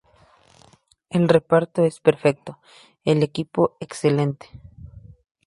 El reparto es perfecto, el equipo excelente".